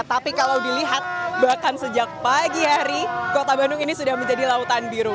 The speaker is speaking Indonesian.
tapi kalau dilihat bahkan sejak pagi hari kota bandung ini sudah menjadi lautan biru